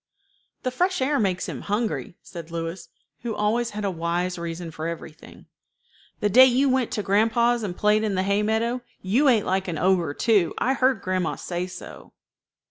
"The fresh air makes him hungry," said Louis, who always had a wise reason for everything. "The day you went to grandpa's, and played in the hay meadow, you ate like an ogre too. I heard grandma say so."